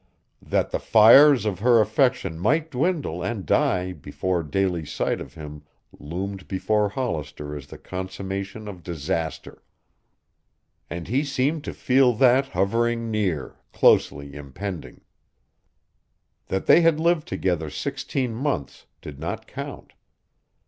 That the fires of her affection might dwindle and die before daily sight of him loomed before Hollister as the consummation of disaster, and he seemed to feel that hovering near, closely impending. That they had lived together sixteen months did not count.